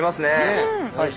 うん！